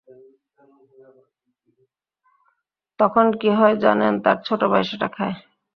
তখন কী হয় জানেন, তাঁর ছোটভাই সেটা খায়।